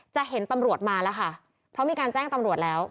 จะเห็นตำรวจมาแล้วค่ะเพราะมีการแจ้งตำรวจแล้ว